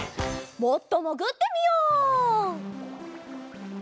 もっともぐってみよう！